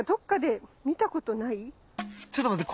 ちょっと待って。